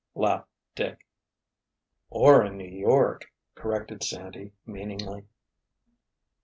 laughed Dick. "Or in New York!" corrected Sandy meaningly.